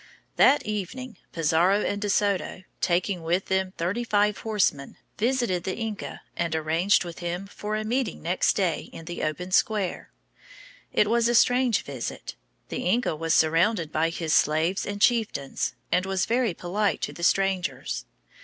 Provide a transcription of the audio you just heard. That evening, Pizarro and De Soto, taking with them thirty five horsemen, visited the Inca and arranged with him for a meeting next day in the open square. It was a strange visit. The Inca was surrounded by his slaves and chieftains, and was very polite to the strangers.